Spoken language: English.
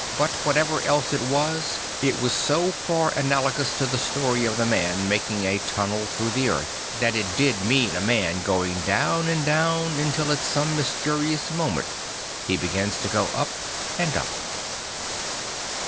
But Le Jongleur de Dieu 83 whatever else it was, it was so far analogous to the story of the man making a tunnel through the earth that it did mean a man going down and down until at some mysterious moment he begins to go up and up.